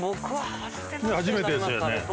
初めてですよね。